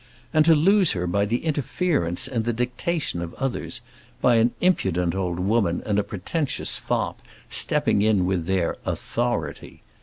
And to lose her by the interference and the dictation of others, by an impudent old woman and a pretentious fop stepping in with their "authority"!